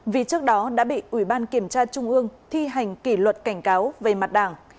vì trước đó đã bị ủy ban kiểm tra trung ương thi hành kỷ luật cảnh cáo về mặt đảng